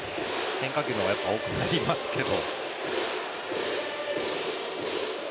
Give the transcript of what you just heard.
変化球の方が多くなりますけど。